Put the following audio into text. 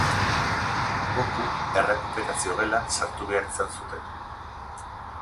Goku Errekuperazio Gelan sartu behar izan zuten.